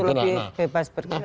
lebih bebas bergerak